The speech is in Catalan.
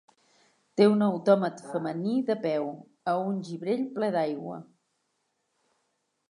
Té un autòmat femení de peu a un gibrell ple d"aigua.